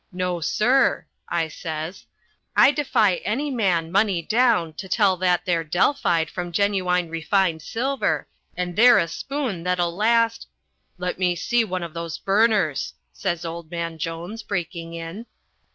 No, sir," I says, "I defy any man, money down, to tell that there Delphide from genuine refined silver, and they're a spoon that'll last " "Let me see one of those burners," says old man Jones, breaking in.